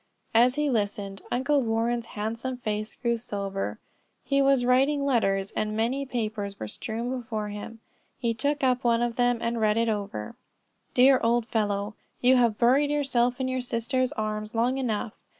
As he listened Uncle Warren's handsome face grew sober, he was writing letters, and many papers were strewn before him. He took up one of them and read it over: "Dear old fellow: You have buried yourself in your sister's arms long enough.